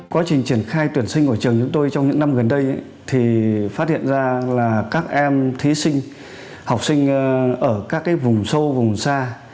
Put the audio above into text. quá trình triển khai tuyển sinh của trường chúng tôi trong những năm gần đây thì phát hiện ra là các em thí sinh học sinh ở các vùng sâu vùng xa